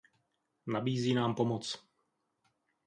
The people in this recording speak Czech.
Nabízí nám pomoc.